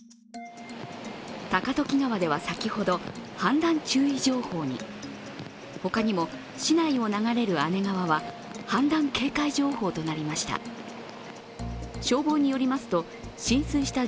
高時川では、先ほど氾濫注意情報に。他にも市内を流れる姉川は氾濫警戒情報となりました。